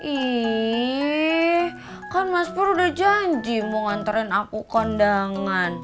ih kan mas pur udah janji mau nganterin aku kondangan